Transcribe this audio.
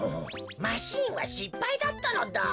マシーンはしっぱいだったのだ。